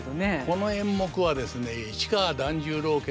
この演目はですね